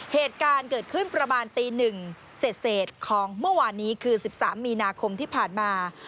เหตุการณ์เกิดขึ้นประมาณตี๑เสร็จของเมื่อวานนี้คือ๑๓มีนาคมที่ผ่านมา